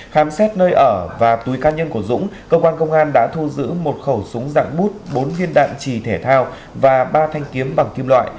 khám xét nơi ở và túi ca nhân của dũng cơ quan công an đã thu giữ một khẩu súng dạng bút bốn viên đạn trì thể thao và ba thanh kiếm bằng kim loại